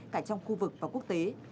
cả trong khu vực và quốc tế